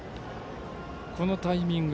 このタイミング。